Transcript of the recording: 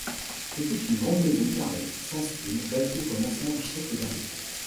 C’était une grande maison carrée, sans style, bâtie au commencement du siècle dernier.